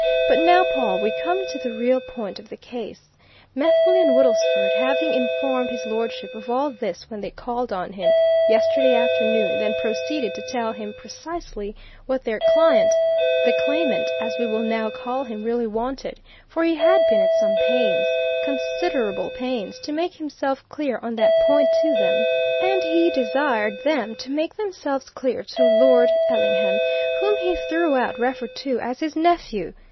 "But now, Pawle, we come to the real point of the case. Methley and Woodlesford, having informed His Lordship of all this when they called on him yesterday afternoon then proceeded to tell him precisely what their client, the claimant, as we will now call him, really wanted, for he had been at some pains, considerable pains, to make himself clear on that point to them, and he desired them to make themselves clear to Lord Ellingham, whom he throughout referred to as his nephew.